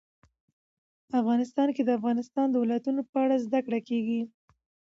افغانستان کې د د افغانستان ولايتونه په اړه زده کړه کېږي.